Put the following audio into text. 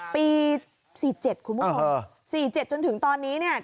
ปีสี่เจ็ดคุณผู้ชมเออเออสี่เจ็ดจนถึงตอนนี้เนี่ย